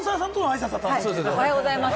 おはようございます。